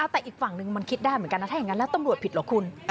แต่อีกฝั่งนึงมันคิดได้เหมือนกันนะถ้าอย่างนั้นแล้วตำรวจผิดเหรอคุณ